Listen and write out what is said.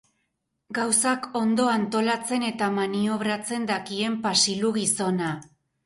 Gauzak ondo antolatzen eta maniobratzen dakien pasilu-gizona.